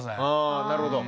あぁなるほど。